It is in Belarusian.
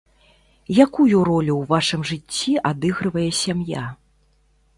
Якую ролю ў вашым жыцці адыгрывае сям'я?